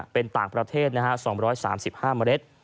เป็นต่างประเทศ๒๓๕เมล็ด